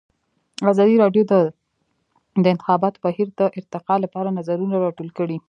ازادي راډیو د د انتخاباتو بهیر د ارتقا لپاره نظرونه راټول کړي.